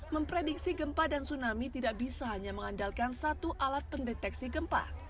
memprediksi gempa dan tsunami tidak bisa hanya mengandalkan satu alat pendeteksi gempa